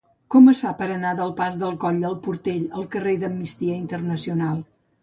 Com es fa per anar del pas del Coll del Portell al carrer d'Amnistia Internacional?